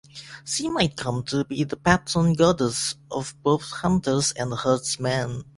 She might come to be the patron goddess of both hunters and herdsmen.